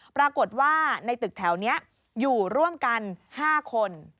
ปรากฏว่าในตึกแถวนี้อยู่ร่วมกัน๕คน